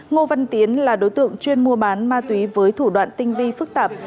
ngô văn tiến là đối tượng chuyên mua bán ma túy với thủ đoạn tinh vi phức tạp